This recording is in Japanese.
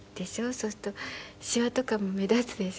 そうするとシワとかも目立つでしょ。